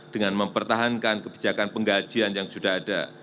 dengan mempertahankan kebijakan penggajian yang sudah ada